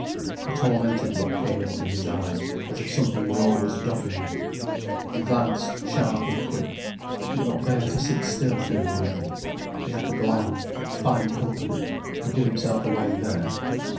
A tormented look came into his eyes, as if something were always dogging him. He glanced sharp and quick, he could not bear to sit still doing nothing. He had to go out, to find company, to give himself away there.